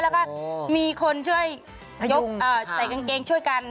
แล้วก็มีคนช่วยยกใส่กางเกงช่วยกัน